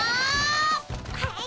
はい！